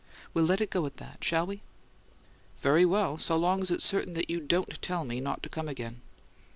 We'll let it go at that, shall we?" "Very well; so long as it's certain that you DON'T tell me not to come again."